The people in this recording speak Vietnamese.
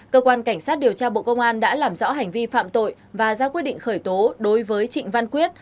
cơ quan cảnh sát điều tra bộ công an đã làm rõ hành vi phạm tội và ra quyết định khởi tố đối với trịnh văn quyết